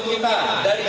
dari siapa dari kita